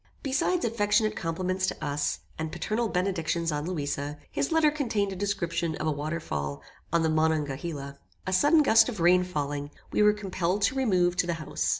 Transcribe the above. Besides affectionate compliments to us, and paternal benedictions on Louisa, his letter contained a description of a waterfall on the Monongahela. A sudden gust of rain falling, we were compelled to remove to the house.